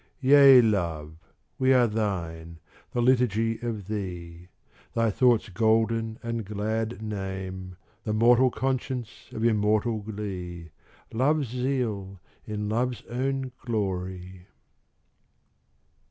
Yea, Love, we are thine, the liturgy of thee. Thy thought's golden and glad name, The mortal conscience of immortal glee, Love's zeal in Love's own glory.